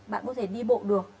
bạn có thể đi bộ được